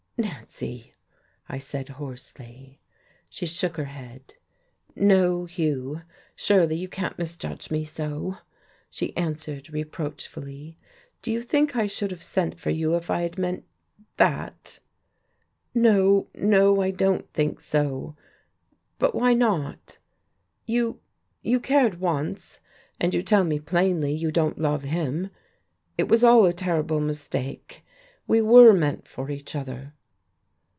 "Nancy!" I said hoarsely. She shook her head. "No, Hugh. Surely you can't misjudge me so!" she answered reproachfully. "Do you think I should have sent for you if I had meant that!" "No, no, I didn't think so. But why not? You you cared once, and you tell me plainly you don't love him. It was all a terrible mistake. We were meant for each other."